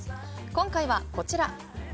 今回はこちら。